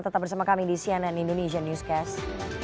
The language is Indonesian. tetap bersama kami di cnn indonesia newscast